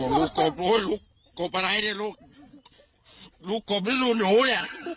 ลูกกบนี่ลูงูเนี่ย